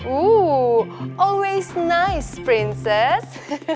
oh selalu baik prinses